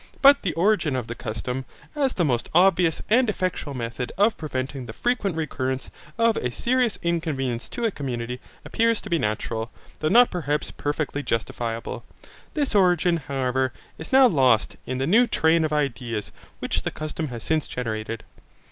But the origin of the custom, as the most obvious and effectual method of preventing the frequent recurrence of a serious inconvenience to a community, appears to be natural, though not perhaps perfectly justifiable. This origin, however, is now lost in the new train of ideas which the custom has since generated.